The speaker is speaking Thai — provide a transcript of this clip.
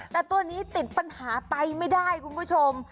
แต่ตัวนี้ติดปัญหาไปไม่ได้คุณผู้ชม